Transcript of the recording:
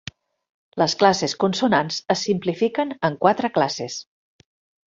Les classes consonants es simplifiquen en quatre classes.